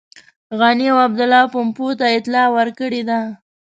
غني او عبدالله پومپیو ته اطلاع ورکړې ده.